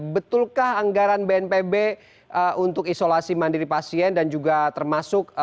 betulkah anggaran bnpb untuk isolasi mandiri pasien dan juga termasuk